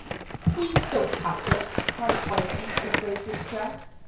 "Please don't touch it," cried Whity in great distress.